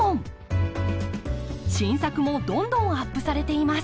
新作もどんどんアップされています。